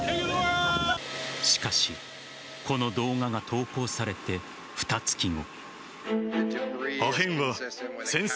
しかしこの動画が投稿されてふた月後。